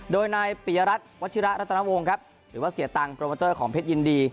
โดยนายปียรัฐวัชิระรัตนวงครับหรือว่าเสียตังค์โปรโมเตอร์ของเพชรยินดี